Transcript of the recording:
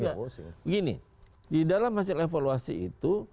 begini di dalam hasil evaluasi itu